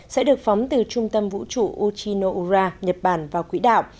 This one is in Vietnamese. sẽ được phóng từ trung tâm vũ trụ uchino ura nhật bản vào quỹ đạo